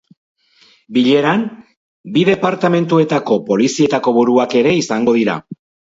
Bileran bi departamentuetako polizietako buruak ere izango dira.